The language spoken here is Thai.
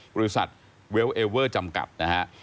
บริษัทเวลเอเวอร์จำกัดนะฮะ